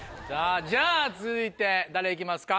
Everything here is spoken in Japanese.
じゃあ続いて誰いきますか？